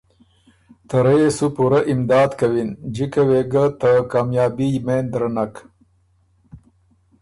ته رۀ يې سو پُورۀ امداد کوِن جکه وې ګه ته کامیابي یمېند درنک۔